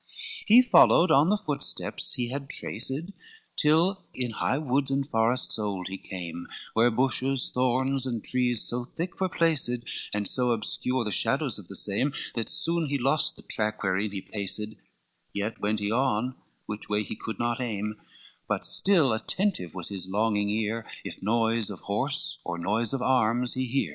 XXIII He followed on the footsteps he had traced, Till in high woods and forests old he came, Where bushes, thorns and trees so thick were placed, And so obscure the shadows of the same, That soon he lost the tract wherein he paced; Yet went he on, which way he could not aim, But still attentive was his longing ear If noise of horse or noise of arms he hear.